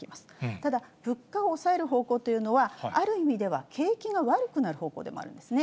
ただ物価を抑える方向というのは、ある意味では景気が悪くなる方向でもあるんですね。